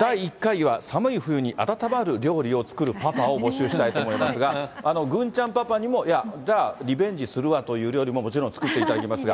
第１回は寒い冬にあたたまる料理を作るパパを募集したいと思いますが、郡ちゃんパパにも、いや、リベンジするわっていう料理をもちろん作っていただきますが。